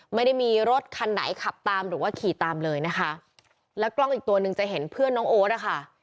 ไม่ได้มีรถคันไหนขับตามหรือว่าขี่ตามเลยนะคะแล้วกล้องอีกตัวหนึ่งจะเห็นเพื่อนน้องโอ๊ตอะค่ะ